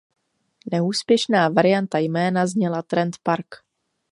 Neúspěšná varianta jména zněla "Trent Park".